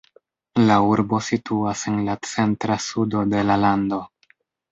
La urbo situas en la centra sudo de la lando.